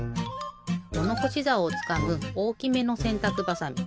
ものほしざおをつかむおおきめのせんたくばさみ。